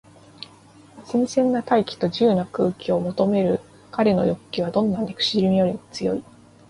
新鮮な大気と自由な空間とを求めるかれの欲求は、どんな憎しみよりも強い。